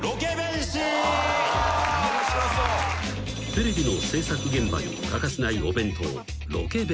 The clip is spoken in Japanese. ［テレビの制作現場に欠かせないお弁当ロケ弁］